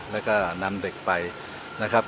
แล้วก็นำเด็กไปนะครับ